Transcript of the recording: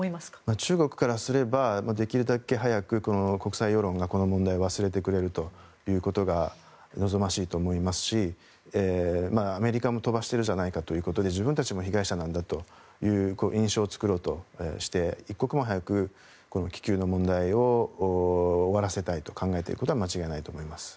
中国からすればできるだけ早くこの国際世論がこの問題を忘れてくれるということが望ましいと思いますしアメリカも飛ばしているじゃないかということで自分たちも被害者なんだという印象を作ろうとして一刻も早くこの気球の問題を終わらせたいと考えていることは間違いないと思います。